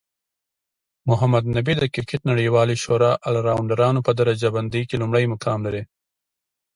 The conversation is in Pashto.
محمد نبي د کرکټ نړیوالی شورا الرونډرانو په درجه بندۍ کې لومړی مقام لري